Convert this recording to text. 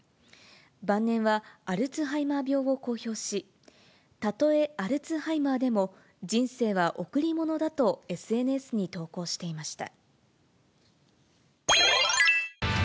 晩年はアルツハイマー病を公表し、たとえアルツハイマーでも、人生は贈り物だとＳＮＳに投稿していました。